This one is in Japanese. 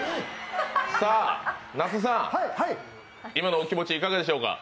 那須さん、今のお気持ちいかがでしょうか？